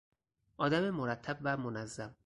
آدم مرتب و منظم